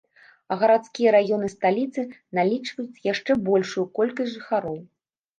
А гарадскія раёны сталіцы налічваюць яшчэ большую колькасць жыхароў.